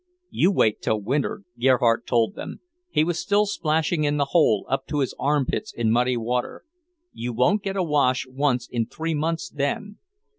"You wait till winter," Gerhardt told them. He was still splashing in the hole, up to his armpits in muddy water. "You won't get a wash once in three months then.